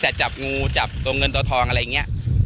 แต่จับงูจับตรงเงินตัวทองอะไรเงี้ย